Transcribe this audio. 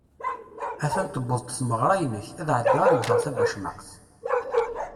Att-an tewweḍ-d tmeɣṛa-inek ad ɛeddiɣ ad wwteɣ tabacmaqt.